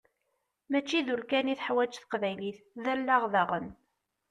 Mačči d ul kan i teḥwaǧ teqbaylit, d allaɣ daɣen!